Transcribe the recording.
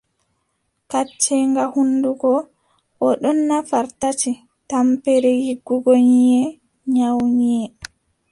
Kacceenga hunnduko oɗn nafar tati: tampere yiggugo nyiiʼe, nyawu nyiiʼe,